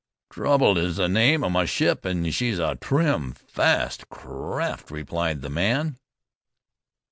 "Trouble is the name of my ship, and she's a trim, fast craft," replied the man.